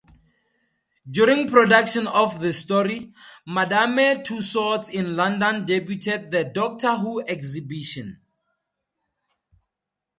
During production of this story, Madame Tussauds in London debuted the "Doctor Who Exhibition".